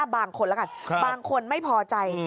บางคนล่ะครับบางคนไม่พอใจ